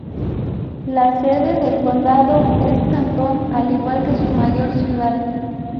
La sede del condado es Canton, al igual que su mayor ciudad.